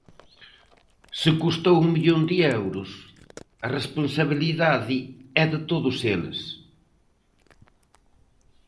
Se custou un millón de euros, a responsabilidade é de todos eles.